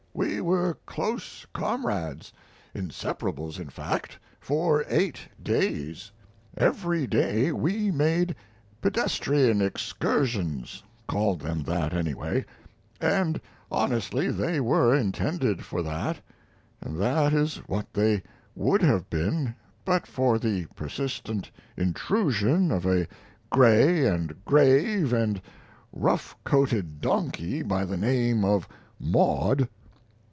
We were close comrades inseparables, in fact for eight days. Every day we made pedestrian excursions called them that anyway, and honestly they were intended for that, and that is what they would have been but for the persistent intrusion of a gray and grave and rough coated donkey by the name of Maud.